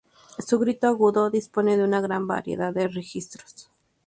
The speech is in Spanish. Su grito agudo dispone de una gran variedad de registros.